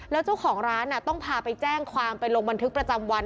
แล้วเจ้าของร้านต้องพาไปแจ้งความไปลงบันทึกประจำวัน